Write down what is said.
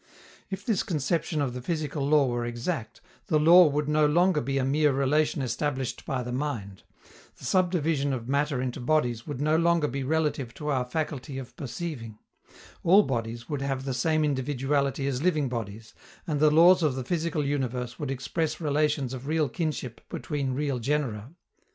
If this conception of the physical law were exact, the law would no longer be a mere relation established by the mind; the subdivision of matter into bodies would no longer be relative to our faculty of perceiving; all bodies would have the same individuality as living bodies, and the laws of the physical universe would express relations of real kinship between real genera.